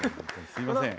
すみません。